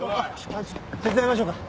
手伝いましょうか？